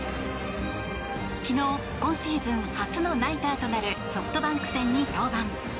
昨日、今シーズン初のナイターとなるソフトバンク戦に登板。